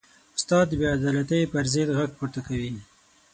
استاد د بېعدالتۍ پر ضد غږ پورته کوي.